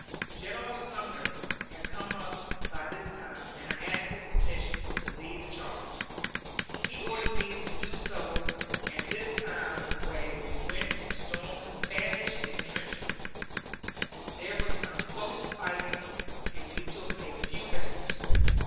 General Sumner had come up by this time, and I asked his permission to lead the charge. He ordered me to do so, and this time away we went, and stormed the Spanish intrenchments. There was some close fighting, and we took a few prisoners.